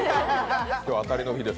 今日は当たりの日です